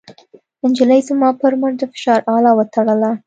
نجلۍ زما پر مټ د فشار اله وتړله.